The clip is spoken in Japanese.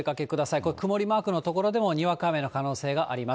これ、曇りマークの所でも、にわか雨の可能性があります。